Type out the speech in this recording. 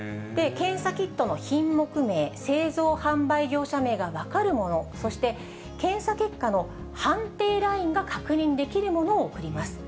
検査キットの品目名、製造販売業者名が分かるもの、そして、検査結果の判定ラインが確認できるものを送ります。